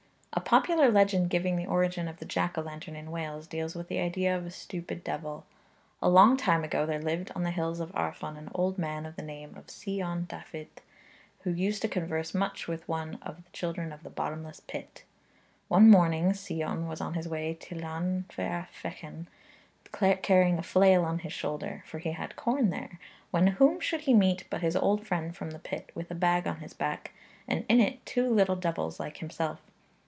A popular legend giving the origin of the jack o' lantern in Wales deals with the idea of a stupid devil: A long time ago there lived on the hills of Arfon an old man of the name of Sion Dafydd, who used to converse much with one of the children of the bottomless pit. One morning Sion was on his way to Llanfair Fechan, carrying a flail on his shoulder, for he had corn there, when whom should he meet but his old friend from the pit, with a bag on his back, and in it two little devils like himself.